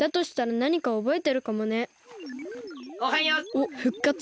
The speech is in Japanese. おっふっかつ？